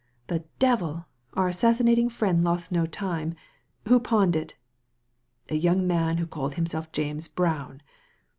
'*" The devil 1 Our assassinating friend lost no time. Who pawned it ?" "A young man who called himself James Brown."